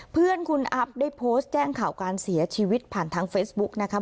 เพื่อนคุณอัพได้โพสต์แจ้งข่าวการเสียชีวิตผ่านทางเฟซบุ๊กนะคะ